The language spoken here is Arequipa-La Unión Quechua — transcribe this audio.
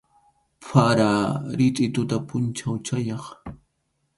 Para, ritʼi tuta pʼunchaw chayaq.